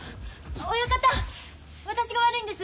親方私が悪いんです。